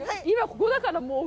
今ここだから。